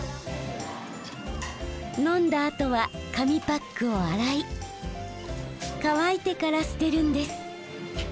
飲んだあとは紙パックを洗い乾いてから捨てるんです。